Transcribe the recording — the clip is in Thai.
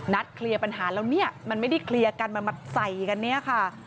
เคลียร์ปัญหาแล้วเนี่ยมันไม่ได้เคลียร์กันมันมาใส่กันเนี่ยค่ะ